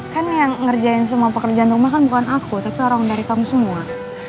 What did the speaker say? kan yang ngerjain semua pekerjaan rumah kan bukan aku tapi orang dari kamu semua